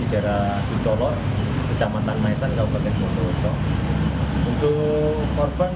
untuk korban sementara ini dua orang